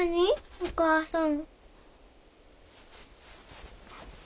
お母さん。